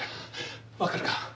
分かるか？